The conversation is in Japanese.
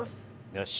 よし。